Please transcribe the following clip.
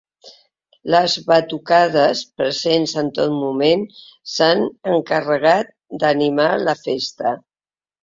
Les batucades, presents en tot moment, s’han encarregat d’animar la festa.